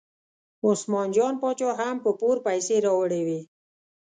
عثمان جان باچا هم په پور پیسې راوړې وې.